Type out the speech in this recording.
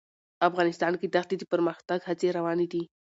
افغانستان کې د ښتې د پرمختګ هڅې روانې دي.